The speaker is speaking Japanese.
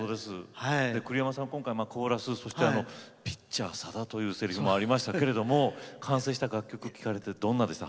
栗山さん、今回、コーラス「ピッチャー・さだ」というせりふもありましたけど完成した楽曲を聴かれてどうですか？